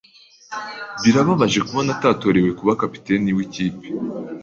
Birababaje kubona atatorewe kuba kapiteni wikipe.